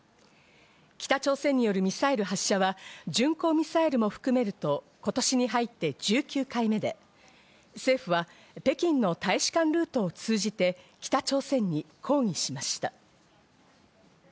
北朝鮮によるミサイル発射は、巡航ミサイルも含めると今年に入って１９回目で、政府は北京の大使館ルートを通じて北朝鮮に抗議しました。